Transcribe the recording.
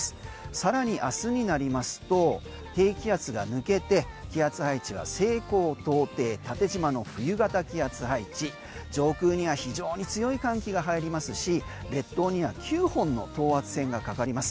更に明日になりますと低気圧が抜けて気圧配置は西高東低、縦じまの冬型気圧配置上空には非常に強い寒気が入りますし列島には９本の等圧線がかかります。